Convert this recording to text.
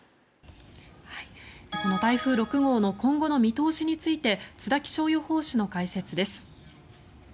この台風６号の今後の見通しについて津田気象予報士の解説です。